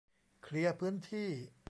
เคลียร์พื้นที่